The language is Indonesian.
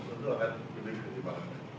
tentu akan lebih dipertimbangkan